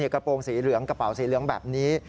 กระโปรงสีเหลืองกระเป๋าสีเหลืองแบบนี้